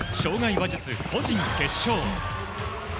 馬術個人決勝。